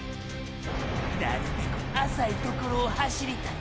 なるべく浅いところを走りたい。